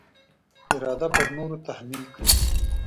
اراده پر نورو تحمیل کړي.